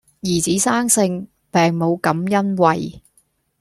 兒子生性病母感欣慰